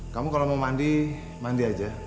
kamu kalau mau mandi mandi aja